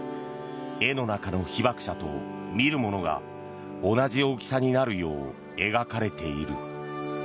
絵の中の被爆者と見る者が同じ大きさになるよう描かれている。